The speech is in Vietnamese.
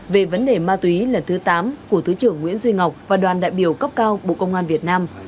về vấn đề ma túy lần thứ tám của thứ trưởng nguyễn duy ngọc và đoàn đại biểu cấp cao bộ công an việt nam